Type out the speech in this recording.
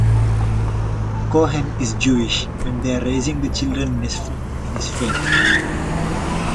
Cohen is Jewish and they are raising the children in his faith.